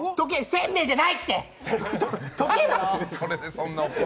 せんべいじゃないって！